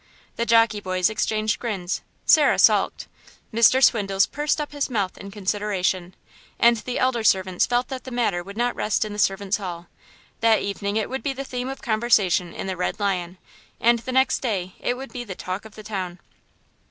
The jockey boys exchanged grins, Sarah sulked, Mr. Swindles pursed up his mouth in consideration, and the elder servants felt that the matter would not rest in the servant's hall; that evening it would be the theme of conversation in the "Red Lion," and the next day it would be the talk of the town.